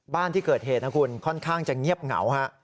บ้านที่เกิดเหตุนะคุณค่อนข้างจะเงียบเหงาฮะ